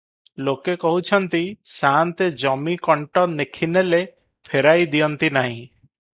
ଲୋକେ କହୁଛନ୍ତି, ସାଆନ୍ତେ ଜମି କଣ୍ଟ ନେଖିନେଲେ ଫେରାଇ ଦିଅନ୍ତି ନାହିଁ ।